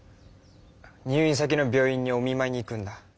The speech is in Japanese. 入院先の病院にお見まいに行くんだ。